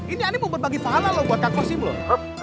ini aneh mau bagi pahala loh buat kang kostim loh